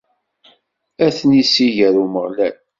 Ad ten-issenger Umeɣlal.